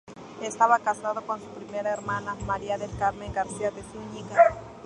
Estaba casado con su prima hermana María del Carmen García de Zúñiga.